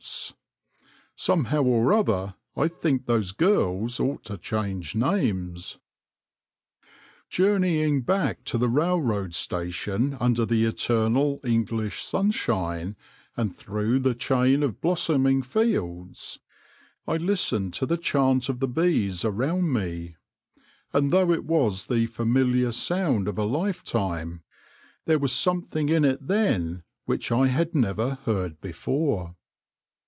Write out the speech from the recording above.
BEE KEEPING AND THE SIMPLE LIFE 191 Somehow or other, I think those girls ought to change names !'' Journeying back to the railroad station under the eternal English sunshine and through the chain of blossoming fields, I listened to the chant of the bees around me ; and though it was the familiar sound of a lifetime, there was something in it then which I had never heard before.